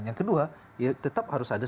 yang kedua ya tetap harus ada